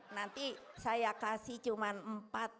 nanti saya kasih cuma empat